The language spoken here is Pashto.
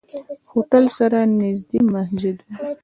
هوټل سره نزدې مسجد وو.